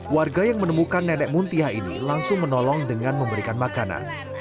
warga yang menemukan nenek muntiah ini langsung menolong dengan memberikan makanan